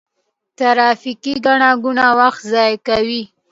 ترافیکي ګڼه ګوڼه وخت ضایع کوي.